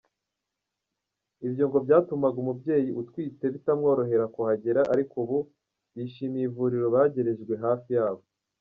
Ibyo ngo byatumaga umubyeyi utwite bitamworohera kuhagera, ariko ubu bishimiye ivuriro begerejwe hafi yabo.